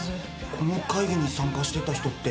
この会議に参加していた人って。